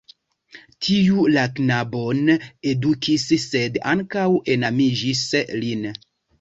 Tiu la knabon edukis, sed ankaŭ enamiĝis lin.